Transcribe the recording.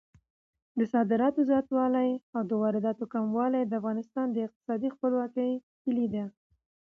د صادراتو زیاتوالی او د وارداتو کموالی د افغانستان د اقتصادي خپلواکۍ کیلي ده.